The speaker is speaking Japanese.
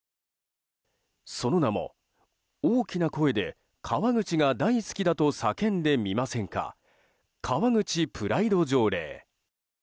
その名も大きな声で川口が大好きだと叫んでみませんか川口プライド条例。